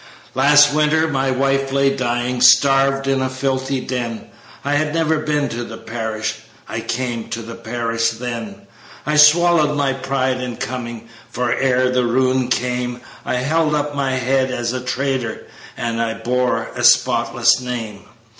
"Last winter my wife lay dying, Starved in a filthy den; I had never been to the parish, I came to the parish then. I swallowed my pride in coming, For, ere the ruin came, I held up my head as a trader, And I bore a spotless name.